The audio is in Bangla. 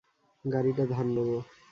গাড়িটা ধার নেবো।